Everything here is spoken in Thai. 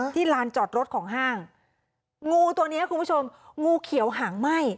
ลานจอดรถของห้างงูตัวนี้คุณผู้ชมงูเขียวหางไหม้